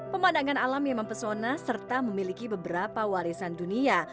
pemandangan alam yang mempesona serta memiliki beberapa warisan dunia